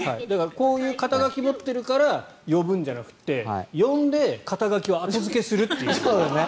こういう肩書を持っているから呼ぶんじゃなくて呼んで肩書を後付けするっていう。